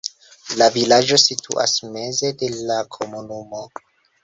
La vilaĝo situas meze de la komunumo.